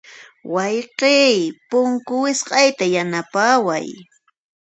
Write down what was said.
Wayqiy, punku wisq'ayta yanapaway.